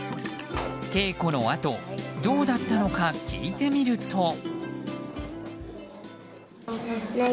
稽古のあとどうだったのか聞いてみると。